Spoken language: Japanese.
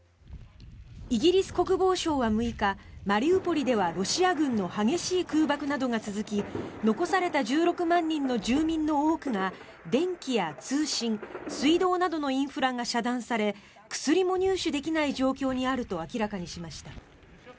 イギリス国防省は６日マリウポリではロシア軍の激しい空爆などが続き残された１６万人の住民の多くが電気や通信、水道などのインフラが遮断され薬も入手できない状況にあると明らかにしました。